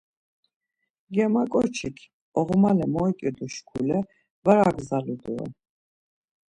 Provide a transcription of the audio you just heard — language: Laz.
Germaǩoçik oğmale moyǩidu şkule var agzalu doren.